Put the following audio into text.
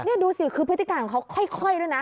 นี่ดูสิคือพฤติการของเขาค่อยด้วยนะ